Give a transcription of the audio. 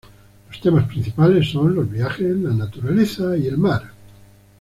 Los temas principales son los viajes, la naturaleza y el mar.